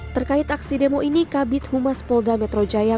terkait aksi demo ini kabit humas polda metro jaya